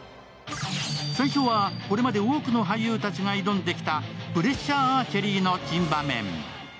最初はこれまで多くの俳優たちが挑んできたプレッシャーアーチェリーの珍場面。